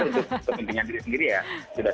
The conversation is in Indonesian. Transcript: untuk kepentingan diri sendiri ya sudah